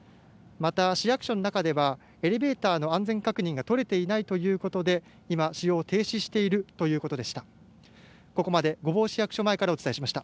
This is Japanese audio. また市役所の中ではエレベーターの安全確認が取れていないということで今使用を停止しているということでした。